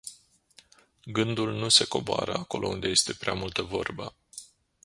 Gândul nu se coboară acolo unde este prea multă vorbă.